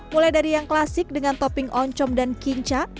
mulai dari yang klasik dengan topping oncom dan kinca